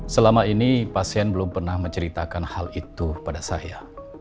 selama ini pasien belum pernah menceritakan hal itu pada saya